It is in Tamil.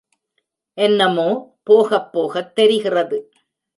என்னமோ, போகப் போகத் தெரிகிறது.